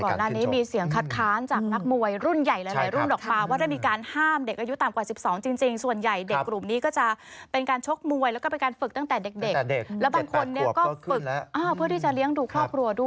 ก่อนอันนี้มีเสียงคัดค้านจากนักมวยรุ่นใหญ่หลายรุ่นออกมา